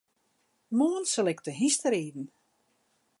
Moarn sil ik te hynsteriden.